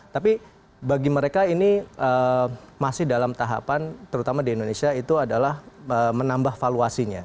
tapi bagi mereka ini masih dalam tahapan terutama di indonesia itu adalah menambah valuasinya